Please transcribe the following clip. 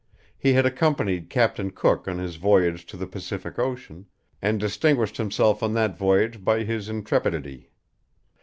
He had accompanied Captain Cook on his voyage to the Pacific Ocean, and distinguished himself on that voyage by his intrepidity.